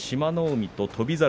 海と翔猿。